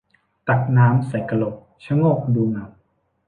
ตักน้ำใส่กระโหลก ชะโงกดูเงา